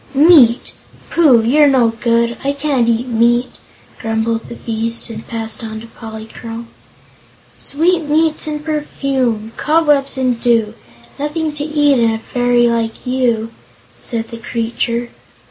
"Meat! Pooh, you're no good! I can't eat meat," grumbled the beast, and passed on to Polychrome. "Sweetmeats and perfume cobwebs and dew! Nothing to eat in a fairy like you," said the creature.